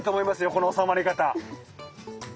この収まり方。